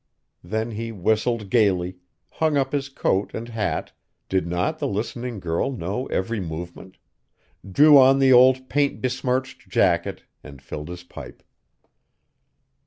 Then he whistled gayly, hung up his coat and hat did not the listening girl know every movement? drew on the old paint besmirched jacket, and filled his pipe.